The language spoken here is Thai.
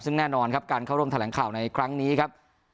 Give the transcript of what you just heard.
ซึ่งแน่นอนครับการเข้าร่วมแถลงข่าวในครั้งนี้ครับ